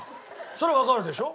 それはわかるでしょ？